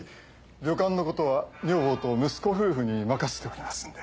旅館のことは女房と息子夫婦に任せておりますんで。